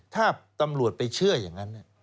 ถ้าตำรวจไปเชื่ออย่างนั้น